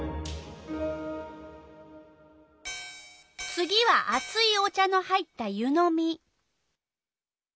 次はあついお茶の入った湯のみ。